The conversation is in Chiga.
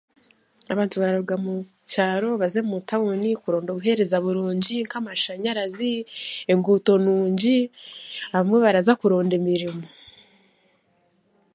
Abantu bararuga mu kyaro baze mu tawuni kuronda obuhereza burungi nk'amashanyarazi, enguuto nungi, abamwe baraza kuronda emirimo.